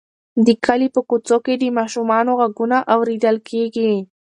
د کلي په کوڅو کې د ماشومانو غږونه اورېدل کېږي.